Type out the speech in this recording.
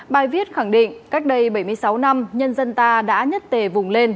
bài viết khẳng định cách đây bảy mươi sáu năm nhân dân ta đã nhất tề vùng lên